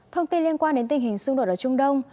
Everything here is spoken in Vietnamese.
thông tin liên quan đến tình hình xung đột ở trung đông